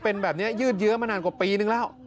เป็นแบบนี้ยืดเยอะมานานกว่าปีนึงแล้ว